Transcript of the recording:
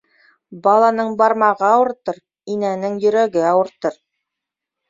Баланың бармағы ауыртыр, инәнең йөрәге ауыртыр.